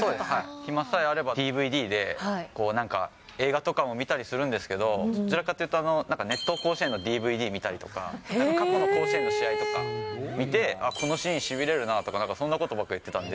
暇さえあればＤＶＤで、なんか映画とかも見たりするんですけど、どちらかというと、熱闘甲子園のＤＶＤを見たりとか、過去の甲子園の試合とか見て、このシーンしびれるなとか、そんなことばっか言ってたんで。